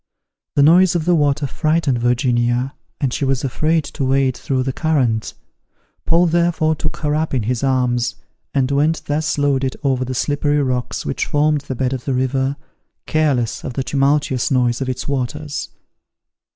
The noise of the water frightened Virginia, and she was afraid to wade through the current: Paul therefore took her up in his arms, and went thus loaded over the slippery rocks, which formed the bed of the river, careless of the tumultuous noise of its waters.